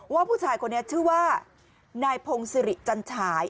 ว่าผู้ชายคนนี้ชื่อว่านายพงศิริจันฉาย